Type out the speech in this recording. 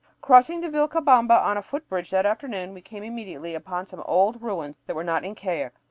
Crossing the Vilcabamba on a footbridge that afternoon, we came immediately upon some old ruins that were not Incaic.